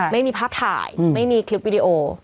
ไม่มีภาพถ่ายไม่มีคลิปวิดีโอ